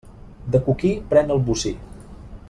De coquí pren el bocí.